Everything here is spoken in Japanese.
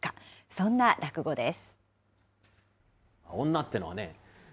そんな落語です。